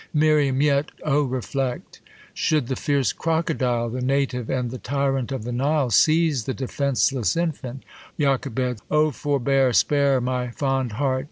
Mir, Yet, O Tcflcct ! Should the fierce crocodile, The native and the tyrant of the Nile, , Seize the defenceless infant ! Joch, O, forbear! Spare my fond heart.